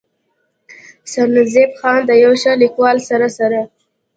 “ سرنزېب خان د يو ښه ليکوال سره سره